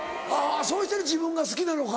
そうしてる自分が好きなのか。